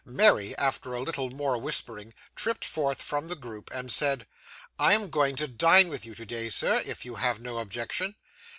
Mary, after a little more whispering, tripped forth from the group and said 'I am going to dine with you to day, sir, if you have no objection.